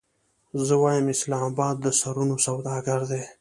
زه وایم اسلام اباد د سرونو سوداګر دی.